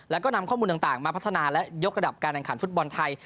แล้วก็นำข้อมูลต่างมาพัฒนาและยกระดับการแข่งขันฟุตบอลไทย